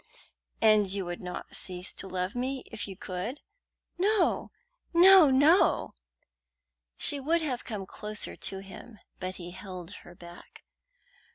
"And you would not cease to love me if you could?" "No, no, no!" She would have come closer to him, but he held her back.